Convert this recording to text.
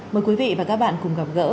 mời quý vị và các bạn cùng gặp gỡ